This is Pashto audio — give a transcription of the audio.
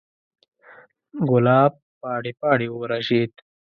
ګلاب پاڼې، پاڼې ورژید